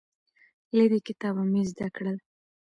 له دې کتابه مې زده کړل